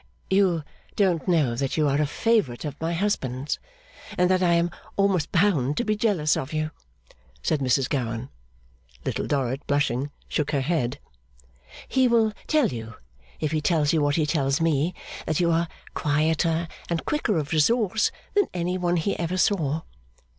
'You don't know that you are a favourite of my husband's, and that I am almost bound to be jealous of you?' said Mrs Gowan. Little Dorrit, blushing, shook her head. 'He will tell you, if he tells you what he tells me, that you are quieter and quicker of resource than any one he ever saw.